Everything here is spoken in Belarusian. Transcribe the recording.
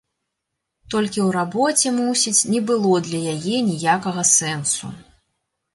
Толькі ў рабоце, мусіць, не было для яе ніякага сэнсу.